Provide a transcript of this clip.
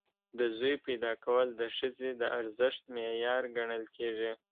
د زوی پیدا کول د ښځې د ارزښت معیار ګڼل کېږي.